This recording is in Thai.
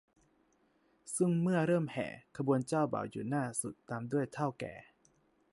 ซึ่งเมื่อเริ่มแห่ ขบวนเจ้าบ่าวอยู่หน้าสุด ตามด้วยเถ้าแก่